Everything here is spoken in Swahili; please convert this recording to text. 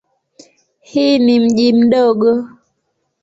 Hii ni mji mdogo.